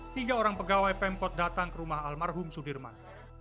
seorang pegawai pempot datang ke rumah almarhum sudirman